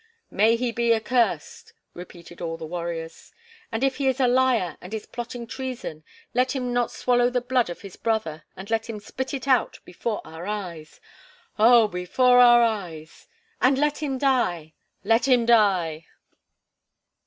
"May he be accursed!" repeated all the warriors. "And if he is a liar and is plotting treason, let him not swallow the blood of his brother, and let him spit it out before our eyes." "Oh, before our eyes!" "And let him die!" "Let him die!"